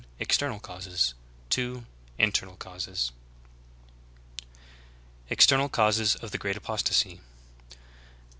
External causes; (2) In ternal causes. EXTERNAL CAUSES OF THE GREAT APOSTASY.